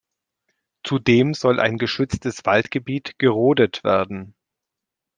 Zudem soll ein geschütztes Waldgebiet gerodet werden.